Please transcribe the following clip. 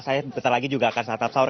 saya bentar lagi juga akan santap sahur